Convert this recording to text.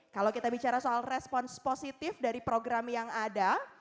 kalau kita bicara soal respons positif dari program yang ada